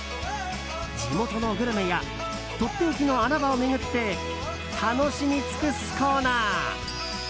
地元のグルメやとっておきの穴場を巡って楽しみ尽くすコーナー。